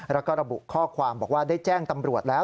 แล้วก็ระบุข้อความบอกว่าได้แจ้งตำรวจแล้ว